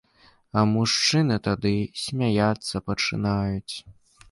А мужчыны тады смяяцца пачынаюць.